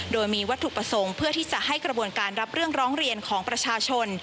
โดยมีวัตถุประสงค์เพื่อที่จะให้กระบวนการรับเรื่องร้องเรียนของประชาชน